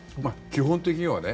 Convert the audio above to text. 基本的にはね。